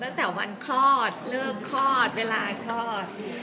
ตั้งจากวันคลอดแล้วคลอดเวลาคลอด